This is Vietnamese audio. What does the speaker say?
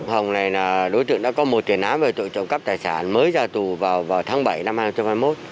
hồng này là đối tượng đã có một tiền án về tội trộm cắp tài sản mới ra tù vào tháng bảy năm hai nghìn hai mươi một